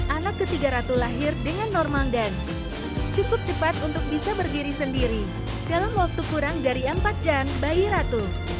anak ketiga ratu lahir dengan normal dan cukup cepat untuk bisa berdiri sendiri dalam waktu kurang dari empat jam bayi ratu